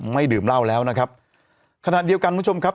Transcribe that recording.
ดื่มเหล้าแล้วนะครับขณะเดียวกันคุณผู้ชมครับ